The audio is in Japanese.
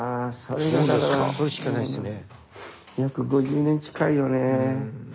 それしかないっすね。